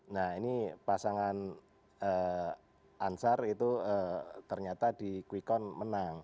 nah ini pasangan ansar itu ternyata di kwikon menang